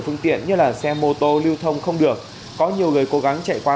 phương tiện như là xe mô tô lưu thông không được có nhiều người cố gắng chạy qua